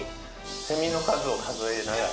セミの数を数えながら。